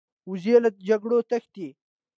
وزې له جګړو تښتي